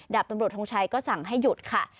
ดาบตำรวจทงชัยก็สั่งให้หยุดค่ะ